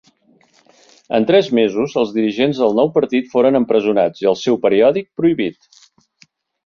En tres mesos els dirigents del nou partit foren empresonats, i el seu periòdic prohibit.